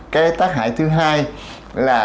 cái tác hại thứ hai là